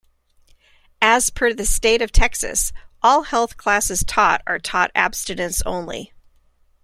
As per the state of Texas, all health classes taught are taught abstinence only.